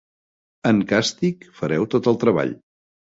En càstig fareu tot el treball.